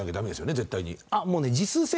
絶対に。